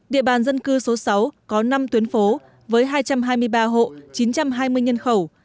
địa bàn dân cư số sáu có năm tuyến phố với hai trăm hai mươi ba hộ chín trăm hai mươi nhân khẩu